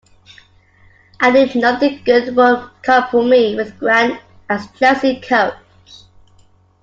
I knew nothing good would come for me with Grant as Chelsea coach.